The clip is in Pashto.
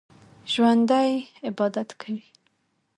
ژوندي عبادت کوي